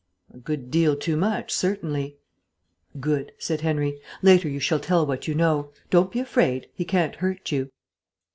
"A good deal too much, certainly." "Good," said Henry. "Later you shall tell what you know. Don't be afraid. He can't hurt you."